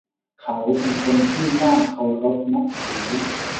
เขาเป็นคนที่น่าเคารพนับถือ